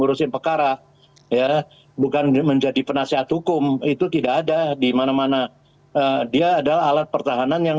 urusin pekara ya bukan menjadi penasihat hukum itu tidak ada dimana mana dia adalah alat pertahanan yang